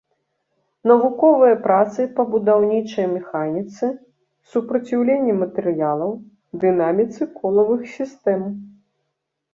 Навуковыя працы па будаўнічай механіцы, супраціўленні матэрыялаў, дынаміцы колавых сістэм.